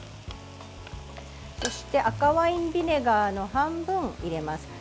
そして赤ワインビネガーの半分入れます。